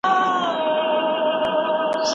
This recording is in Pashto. دلته هلته د غاټول په زړګي داغ دي